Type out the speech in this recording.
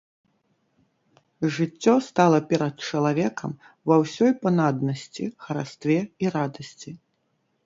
Жыццё стала перад чалавекам ва ўсёй панаднасці, харастве і радасці.